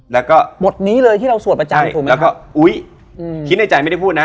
แล้วก็บทนี้เลยที่เราสวดประจำถูกไหมแล้วก็อุ๊ยคิดในใจไม่ได้พูดนะ